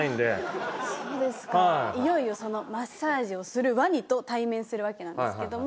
いよいよそのマッサージをするワニと対面するわけなんですけども。